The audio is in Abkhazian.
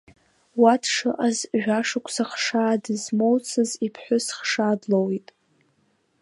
Уа дшыҟаз жәашықәса хшаа дызмоуцыз иԥҳәыс хшаа длоуит.